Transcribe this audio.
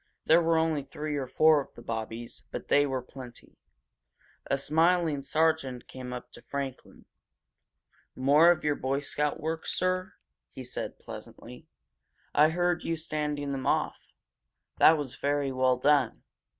There were only three or four of the Bobbies, but they were plenty. A smiling sergeant came up to Franklin. "More of your Boy Scout work, sir?" he said, pleasantly. "I heard you standing them off! That was very well done.